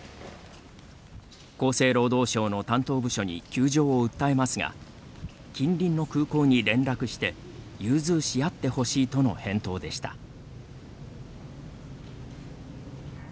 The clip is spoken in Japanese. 厚生労働省の担当部署に窮状を訴えますが近隣の空港に連絡して融通しあってほしいとの返答でした。